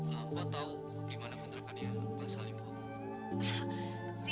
mbak tau dimana kontrakannya pak salim mbak